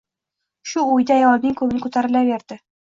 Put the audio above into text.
Shu oʻyda ayolning koʻngli koʻtarilaverdi…